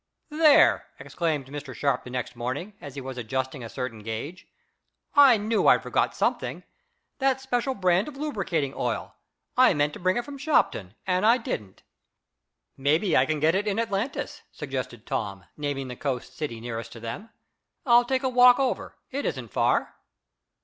"There!" exclaimed Mr. Sharp the next morning, as he was adjusting a certain gage. "I knew I'd forget something. That special brand of lubricating oil. I meant to bring it from Shopton, and I didn't." "Maybe I can get it in Atlantis," suggested Tom, naming the coast city nearest to them. "I'll take a walk over. It isn't far."